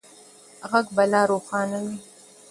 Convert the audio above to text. غږ به لا روښانه وي.